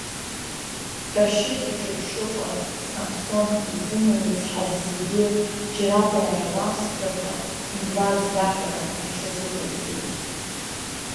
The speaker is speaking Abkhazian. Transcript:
Рашьыҭ иҿы дшыҟаз, Самсон изынаицҳаз зегьы, џьара дааиламсӡакәа, Ҭемраз иаҳәара иҽазыҟаиҵеит.